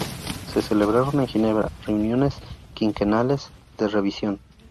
Se celebraron en Ginebra reuniones quinquenales de revisión.